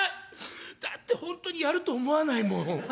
だって本当にやると思わないもん。